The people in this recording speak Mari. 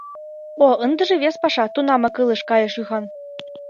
— О, ындыже вес паша, — тунамак ылыж кайыш Юхан.